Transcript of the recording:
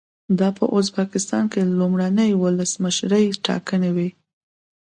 دا په ازبکستان کې لومړنۍ ولسمشریزې ټاکنې وې.